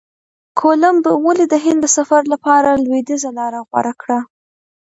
کولمب ولي د هند د سفر لپاره لویدیځه لاره غوره کړه؟